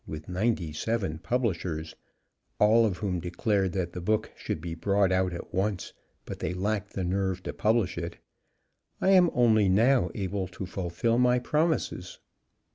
with ninety seven publishers (all of whom declared that the book should be brought out at once, but they lacked the nerve to publish it), I am only now able to fulfil my promises.